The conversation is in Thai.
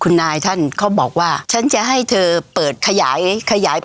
ง่ายจำใช่ค่ะค่ะ